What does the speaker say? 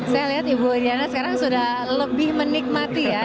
saya lihat ibu diana sekarang sudah lebih menikmati ya